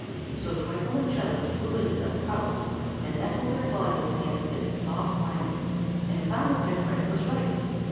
So Twinkle and Chubbins flew into the "house" and nestled their bodies against its soft lining and found that their friend was right.